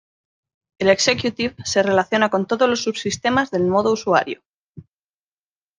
El Executive se relaciona con todos los subsistemas del modo usuario.